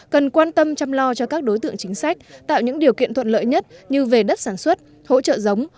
cần quan tâm chăm lo cho các đối tượng chính sách tạo những điều kiện thuận lợi nhất như về đất sản xuất hỗ trợ giống